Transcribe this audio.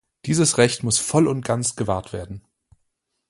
Dieses Recht muss voll und ganz gewahrt werden.